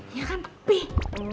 iya kan peh